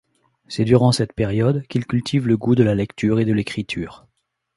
C’est durant cette période qu’il cultive le goût de la lecture et de l’écriture.